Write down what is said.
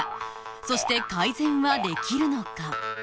そして改善はできるのか？